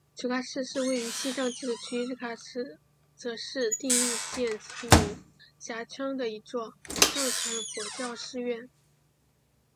曲嘎寺是位于西藏自治区日喀则市定日县绒辖乡的一座藏传佛教寺院。